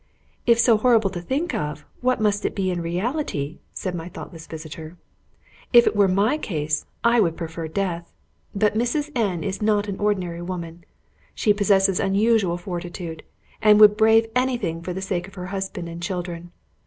"If so horrible to think of, what must it be in reality?" said my thoughtless visitor. "If it were my case, I would prefer death. But Mrs. N is not an ordinary woman. She possesses unusual fortitude, and would brave any thing for the sake of her husband and children.